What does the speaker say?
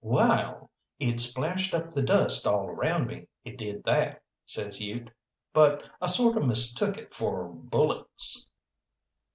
"Wall, it splashed up the dust all around me, it did that," says Ute, "but I sorter mistook it for bullets."